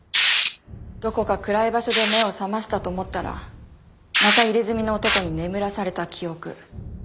どこか暗い場所で目を覚ましたと思ったらまた入れ墨の男に眠らされた記憶。